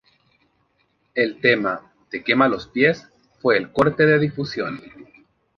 El tema "Te quema los pies" fue el corte de difusión.